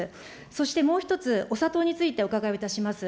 そしてもう１つ、お砂糖についてお伺いをいたします。